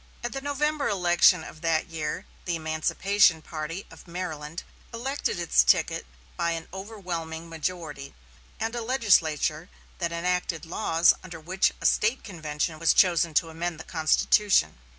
At the November election of that year the emancipation party of Maryland elected its ticket by an overwhelming majority, and a legislature that enacted laws under which a State convention was chosen to amend the constitution.